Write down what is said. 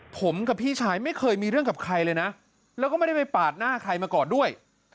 ผมกับพี่ชายไม่เคยมีเรื่องกับใครเลยนะแล้วก็ไม่ได้ไปปาดหน้าใครมาก่อนด้วย